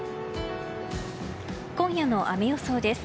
今夜の雨予想です。